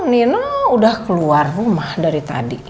nino udah keluar rumah dari tadi